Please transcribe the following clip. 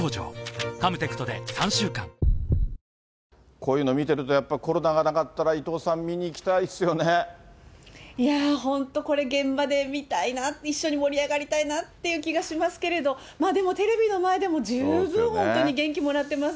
こういうの見てると、やっぱり、コロナがなかったら、伊藤さん、いやぁ、本当これ、現場で見たいな、一緒に盛り上がりたいなって気がしますけれど、でもテレビの前でも十分本当に元気もらってます。